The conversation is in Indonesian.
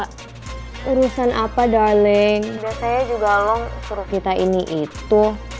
kenapa udah telpon tersumit nih